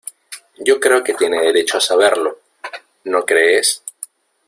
yo creo que tiene derecho a saberlo. ¿ no crees?